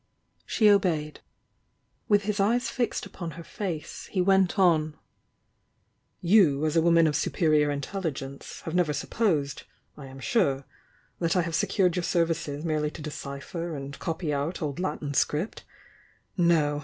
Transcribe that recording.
She obeyed. With his eyes fixed upon her face, he went on: "You, as a woman of superior intelligence, have never supposed, I am su.e, that I have secured your services merely to decipher and copy out old Latin script? No!